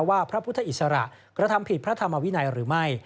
ว่าพระพุทธอิสระกระทำผิดพระธรรมวินัยหรือไม่